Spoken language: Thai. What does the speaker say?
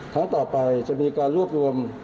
ครั้งต่อไปจะมีการรวบรวม